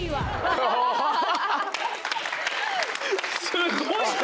すごいね！